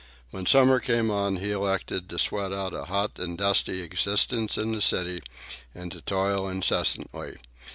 When summer came on, he elected to sweat out a hot and dusty existence in the city and to toil incessantly.